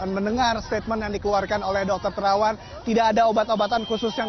mendengar statement yang dikeluarkan oleh dokter terawan tidak ada obat obatan khusus yang